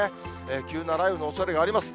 急な雷雨のおそれがあります。